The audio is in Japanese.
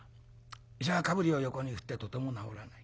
医者は頭を横に振ってとても治らない。